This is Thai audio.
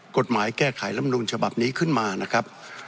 กฎหมายแก้ไขลำนูลฉบับนี้ขึ้นมานะครับ